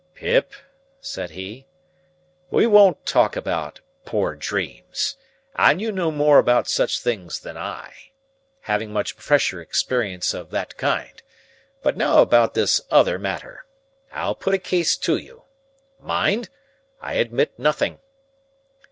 "Pip," said he, "we won't talk about 'poor dreams;' you know more about such things than I, having much fresher experience of that kind. But now about this other matter. I'll put a case to you. Mind! I admit nothing."